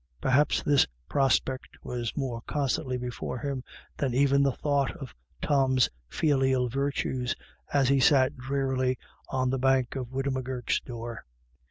Perhaps this prospect was more constantly before him than even the thought of Tom's filial virtues, as he sat drearily on the bank by widow M'Gurk's door.